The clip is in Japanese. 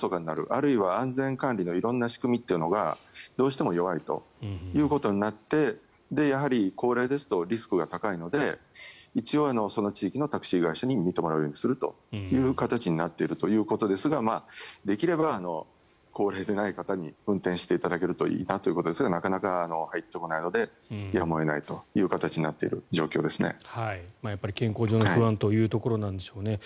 あるいは安全管理の色んな仕組みというのがどうしても弱いということになってやはり高齢ですとリスクが高いので一応その地域のタクシー会社に認められるようにするという形になっていますができれば高齢でない方に運転していただけるといいなということですがなかなか入ってこないのでやむを得ないという形に健康上の不安というところでしょう。